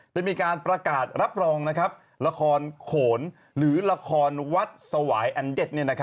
ได้มีการประกาศรับรองละครโขนหรือละครวัดสวายอันเด็ด